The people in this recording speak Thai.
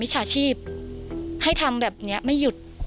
ให้ทำแบบนี้ไม่หยุด